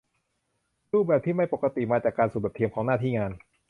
รูปแบบที่ไม่ปกติมาจากการสุ่มแบบเทียมของหน้าที่งาน